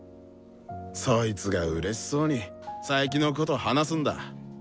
そいつがうれしそうに佐伯のこと話すんだ。